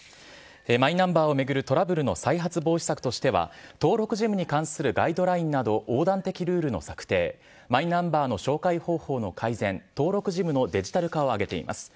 マイナンバーを巡るトラブルの再発防止策としては、登録事務に関するガイドラインなど、横断的ルールの策定、マイナンバーの照会方法の改善、登録事務のデジタル化を挙げています。